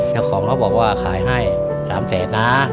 น้องของเขาบอกว่าขายให้๓แสนนะ